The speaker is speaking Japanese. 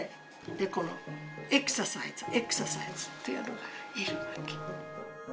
でこのエクササイズエクササイズっていうのがいるわけ。